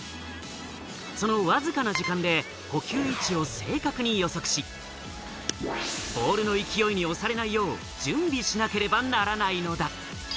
そのわずかな時間で捕球位置を正確に予測し、ボールの勢いに押されないよう、準備しなければならないのだ。